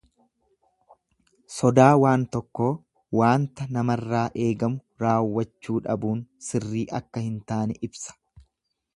Sodaa waan tokkoo waanta namarraa eeggamu raawwachuu dhabuun sirrii akka hin taane ibsa.